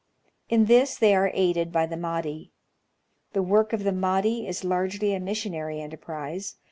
In this they are aided by the Mahdi. The work of the Mahdi is largely a missionary enterprise.